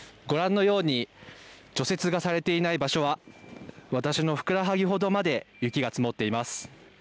ご覧のように、除雪がされていない場所は、私のふくらはぎほどまで雪が積もっています。